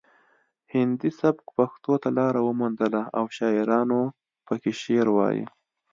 هندي سبک پښتو ته لار وموندله او شاعرانو پکې شعر وایه